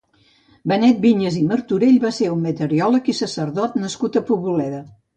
Benet Viñes i Martorell va ser un meteoròleg i sacerdot nascut a Poboleda.